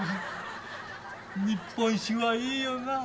日本酒はいいよな。